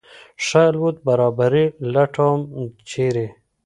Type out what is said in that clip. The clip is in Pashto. ښه الوت برابري لټوم ، چېرې ؟